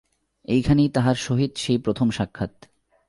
এইখানেই তাহার সহিত সেই প্রথম সাক্ষাৎ।